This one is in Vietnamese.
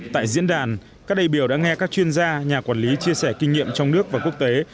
tại diễn đàn các đại biểu đã nghe các chuyên gia nhà quản lý chia sẻ kinh nghiệm trong nước và quốc tế